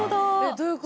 どういう事？